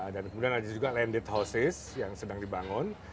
dan kemudian ada juga landed houses yang sedang dibangun